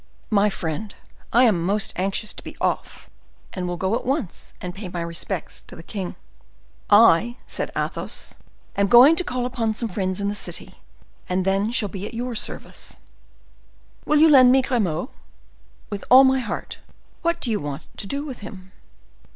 "My friend, I am most anxious to be off, and will go at once and pay my respects to the king." "I," said Athos, "am going to call upon some friends in the city, and shall then be at your service." "Will you lend me Grimaud?" "With all my heart. What do you want to do with him?"